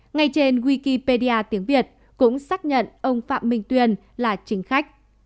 ngay trên wikipedia tiếng việt cũng xác nhận ông phạm minh tuyên là chính khách